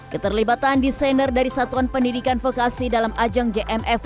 keterlibatan desainer dari satuan pendidikan vokasi dalam ajang jmf